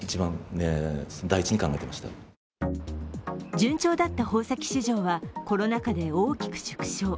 順調だった宝石市場はコロナ禍で大きく縮小。